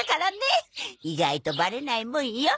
意外とバレないもんよ。